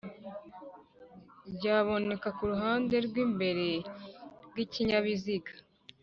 byaboneka ku ruhande rw'imbere rw'ikinyabiziga